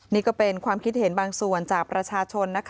นี่ก็เป็นความคิดเห็นบางส่วนจากประชาชน